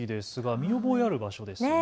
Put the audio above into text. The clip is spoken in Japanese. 見覚えある場所ですね。